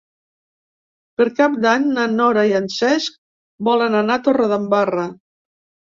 Per Cap d'Any na Nora i en Cesc volen anar a Torredembarra.